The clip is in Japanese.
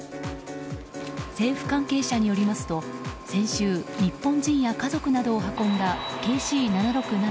政府関係者によりますと先週、日本人や家族などを運んだＫＣ７６７